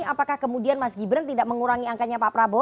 apakah kemudian mas gibran tidak mengurangi angkanya pak prabowo